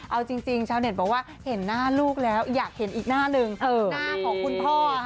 เอาจริงชาวเน็ตบอกว่าเห็นหน้าลูกแล้วอยากเห็นอีกหน้าหนึ่งหน้าของคุณพ่อ